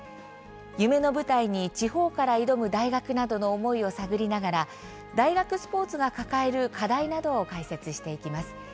夢の舞台に地方から挑む大学などの思いを探りながら大学スポーツが抱える課題などを解説していきます。